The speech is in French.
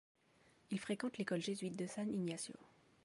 Il fréquente l’école jésuite de San Ignacio.